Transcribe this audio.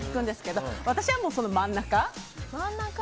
私はもうその真ん中。